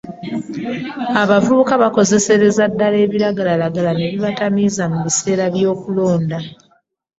Abavubuka bakozeseza ddala ebiragalalagala n'ebitamiiza mu biseera by'okulonda.